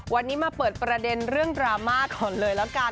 วันนี้มาเปิดประเด็นเรื่องดราม่าก่อนเลยแล้วกัน